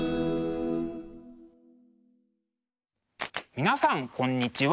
皆さんこんにちは。